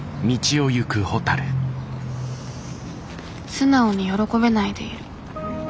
素直に喜べないでいる。